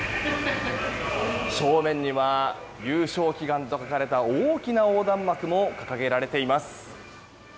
正面には、優勝祈願と書かれた大きな横断幕も掲げられています。